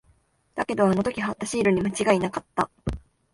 だけど、あの時貼ったシールに間違いなかった。